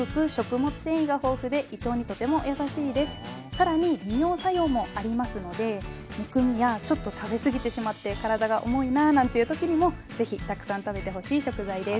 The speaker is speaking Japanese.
更に利尿作用もありますのでむくみやちょっと食べ過ぎてしまって体が重いななんていう時にも是非たくさん食べてほしい食材です。